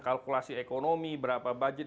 kalkulasi ekonomi berapa budget